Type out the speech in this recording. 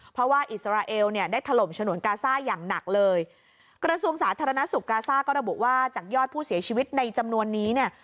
เพราะว่าอิสราเอลเนี่ยได้ถล่มฉนวนกาซ่าอย่างหนักเลยกระทรวงสาธารณสุขกาซ่าก็ระบุว่าจากยอดผู้เสียชีวิตในจำนวนนี้เนี่ย